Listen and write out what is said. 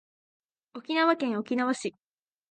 沖縄県沖縄市